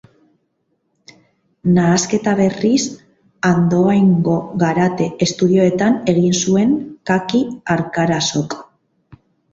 Nahasketa berriz, Andoaingo Garate estudioetan egin zuen Kaki Arkarazok.